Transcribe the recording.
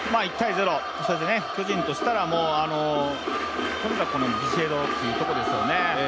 １−０、巨人としたらとにかくビシエドっていうところですよね。